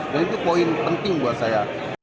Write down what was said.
dan itu poin penting buat saya